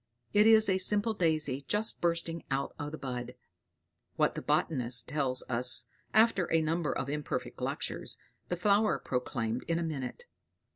It is a simple daisy, just bursting out of the bud. What the botanist tells us after a number of imperfect lectures, the flower proclaimed in a minute.